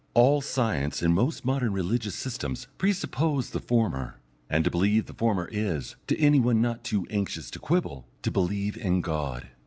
All science and most modern religious systems presuppose the former, and to believe the former is, to any one not too anxious to quibble, to believe in God.